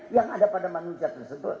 yang ada pada manusia tersebut